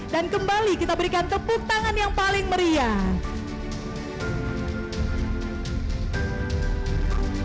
dan kembali kita berikan tepuk tangan yang paling meriah